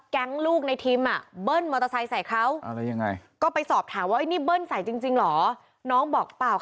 แกล้งลูกในทีมเบิ้ลมอเตอร์ไซซ์ใส่เขา